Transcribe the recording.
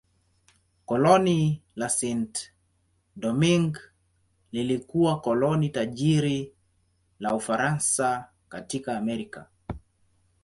Koloni la Saint-Domingue lilikuwa koloni tajiri la Ufaransa katika Amerika.